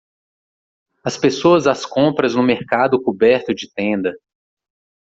As pessoas às compras no mercado coberto de tenda.